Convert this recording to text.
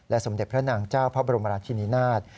สมเด็จพระนางเจ้าพระบรมราชินินาศ